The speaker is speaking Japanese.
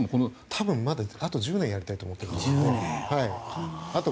多分あとまだ１０年やりたいと思っている。